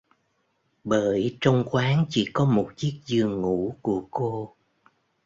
Bởi trong quán chỉ có một chiếc giường ngủ của cô